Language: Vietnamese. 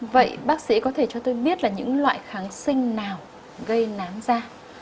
vậy bác sĩ có thể cho tôi biết là những loại kháng sinh nào gây nám da